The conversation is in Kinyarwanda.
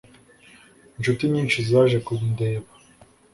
Inshuti nyinshi zaje kundeba.